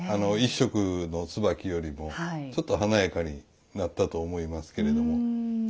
一色の椿よりもちょっと華やかになったと思いますけれども。